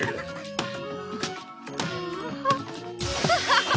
ハハハッ！